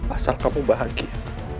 asal kamu bahagia